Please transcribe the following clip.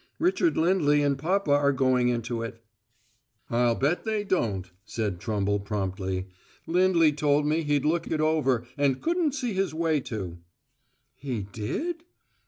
Richard Lindley and papa are going into it." "I'll bet they don't," said Trumble promptly. "Lindley told me he'd looked it over and couldn't see his way to." "He did?"